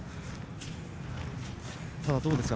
ただ、どうですか。